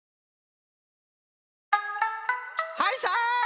はいさい！